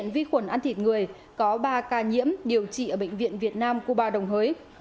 vi khuẩn ăn thịt người có ba ca nhiễm điều trị ở bệnh viện việt nam cuba đồng hới